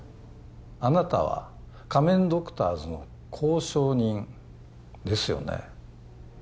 あなたは仮面ドクターズの交渉人ですよね？